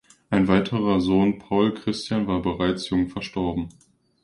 Ein weiterer Sohn Paul Christian war bereits jung verstorben.